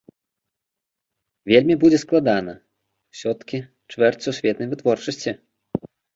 Вельмі будзе складана, усё-ткі чвэрць сусветнай вытворчасці.